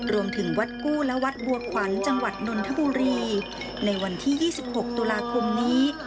รวมถึงวัดกู้และวัดบัวขวัญจังหวัดนนทบุรีในวันที่๒๖ตุลาคมนี้